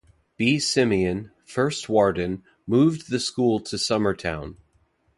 B. Simeon, first Warden, moved the school to Summertown.